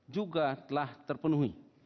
juga telah terpenuhi